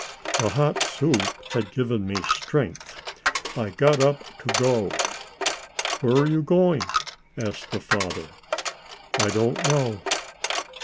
The hot soup had given me strength. I got up to go. "Where are you going?" asked the father. "I don't know."